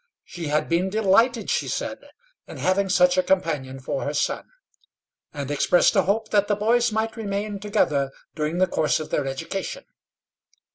She had been delighted, she said, in having such a companion for her son, and expressed a hope that the boys might remain together during the course of their education.